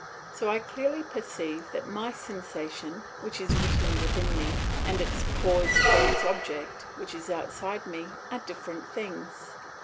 So I clearly perceive that my sensation, which is within me, and its cause or its object, which is outside me, are different things.